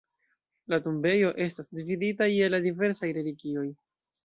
La tombejo estas dividita je la diversaj religioj.